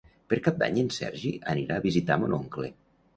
Per Cap d'Any en Sergi anirà a visitar mon oncle.